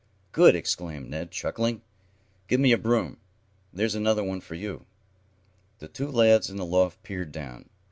"Good!" exclaimed Ned, chuckling. "Give me a broom. There's another one for you." The two lads in the loft peered down.